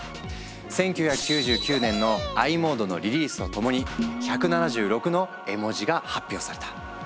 １９９９年の「ｉモード」のリリースと共に１７６の絵文字が発表された。